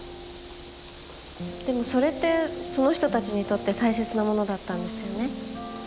でもそれってその人たちにとって大切なものだったんですよね？